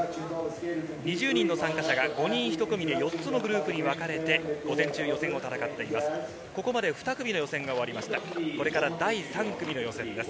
２０人の参加者が５人１組で４つのグルーブに分かれて午前中、予選を戦っています。